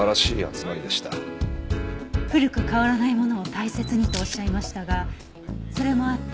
古く変わらないものを大切にとおっしゃいましたがそれもあって